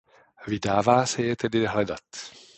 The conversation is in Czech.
Vydává se je tedy hledat.